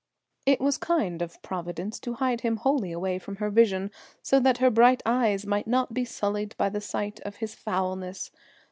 It was kind of Providence to hide him wholly away from her vision, so that her bright eyes might not be sullied by the sight of his foulness.